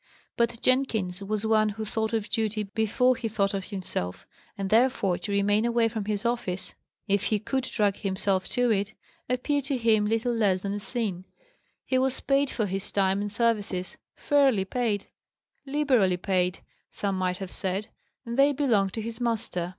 But Jenkins was one who thought of duty before he thought of himself; and, therefore, to remain away from the office, if he could drag himself to it, appeared to him little less than a sin. He was paid for his time and services fairly paid liberally paid, some might have said and they belonged to his master.